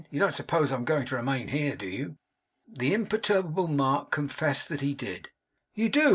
'You don't suppose I am going to remain here, do you?' The imperturbable Mark confessed that he did. You do!